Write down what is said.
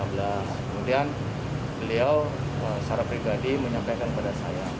kemudian beliau secara pribadi menyampaikan kepada saya